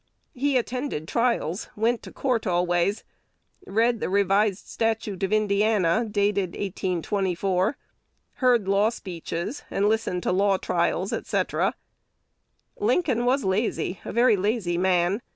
He attended trials, went to court always, read the Revised Statute of Indiana, dated 1824, heard law speeches, and listened to law trials, &c. Lincoln was lazy, a very lazy man.